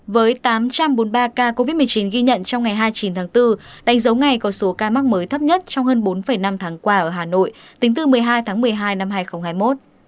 với tám trăm bốn mươi ba ca covid một mươi chín ghi nhận trong ngày hai mươi chín tháng bốn đánh dấu ngày có số ca mắc mới thấp nhất trong hơn bốn năm tháng qua ở hà nội tính từ một mươi hai tháng một mươi hai năm hai nghìn hai mươi một